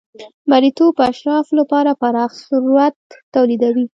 مریتوب د اشرافو لپاره پراخ ثروت تولیدوي.